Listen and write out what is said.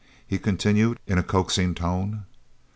he continued, in a coaxing tone.